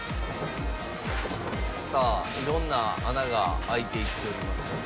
さあいろんな穴が開いていっております。